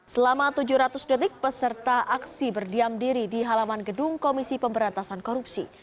selama tujuh ratus detik peserta aksi berdiam diri di halaman gedung komisi pemberantasan korupsi